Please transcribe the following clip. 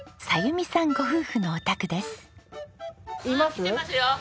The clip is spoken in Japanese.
来てますよ。